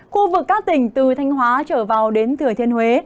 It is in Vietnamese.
khu vực các tỉnh từ thanh hóa trở vào đến thừa thiên huế